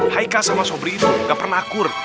haika sama sobri itu gak pernah akur